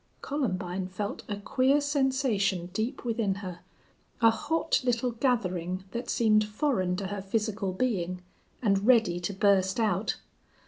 Columbine felt a queer sensation deep within her, a hot little gathering that seemed foreign to her physical being, and ready to burst out.